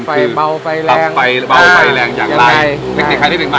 ฟัยเบาไฟแรงยังใดฟัยเบาไฟแรงอย่างใล่เพคนิคใครที่เป็นมา